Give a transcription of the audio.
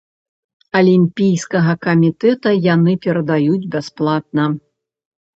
Алімпійскага камітэта яны перадаюць бясплатна.